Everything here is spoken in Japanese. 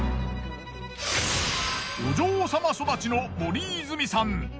お嬢様育ちの森泉さん。